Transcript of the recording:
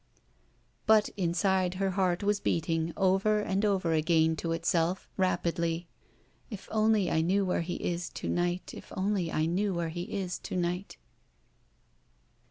But inside her heart was beating over and over again to itself, rapidly: "If only 1 knew where he is to night if only 1 knew where he is to night.